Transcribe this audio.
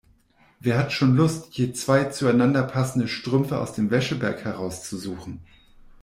Wer hat schon Lust, je zwei zueinander passende Strümpfe aus dem Wäscheberg herauszusuchen?